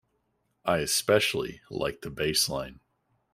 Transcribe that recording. I especially like the bassline.